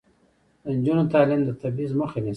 د نجونو تعلیم د تبعیض مخه نیسي.